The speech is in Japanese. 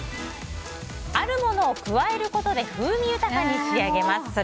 あるものを加えることで風味豊かに仕上げます。